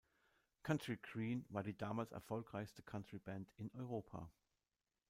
Country Green war die damals erfolgreichste Country-Band in Europa.